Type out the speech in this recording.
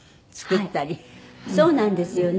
そうなんですよね。